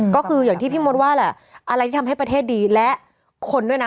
ก็คืออย่างที่พี่มดว่าแหละอะไรที่ทำให้ประเทศดีและคนด้วยนะ